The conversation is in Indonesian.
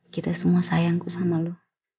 kita semua sayangku sama lo